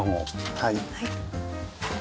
はい。